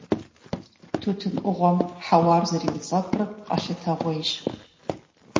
Тутын Ӏугъуэм хьэуар зэриуцӀэпӀыр къэлъытэгъуейщ.